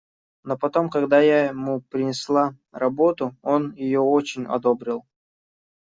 Но потом, когда я ему принесла работу, он ее очень одобрил.